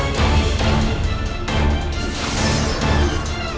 aku akan selalu menjadi penghalangmu